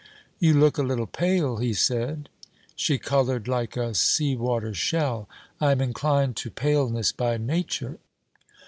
'You look a little pale,' he said. She coloured like a sea water shell. 'I am inclined to paleness by nature.'